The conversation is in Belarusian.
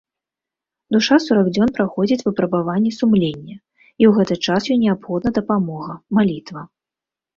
Душа сорак дзён праходзіць выпрабаванне сумлення, і ў гэты час ёй неабходна дапамога, малітва.